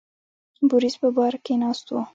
بوریس په بار کې ناست و.